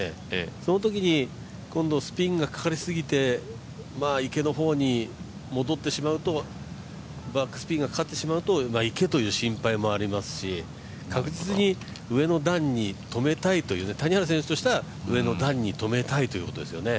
そのときに今度スピンがかかりすぎて池のほうに戻ってしまうとバックスピンがかかってしまうと池という心配もありますし谷原選手としては確実に上の段に止めたいということですよね。